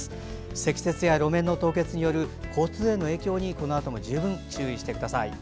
積雪や路面の凍結による交通への影響にこのあとも十分注意してください。